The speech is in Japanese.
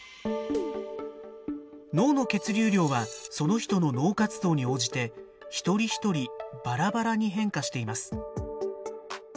脳の血流量はその人の脳活動に応じて一人一人ばらばらに変化しています。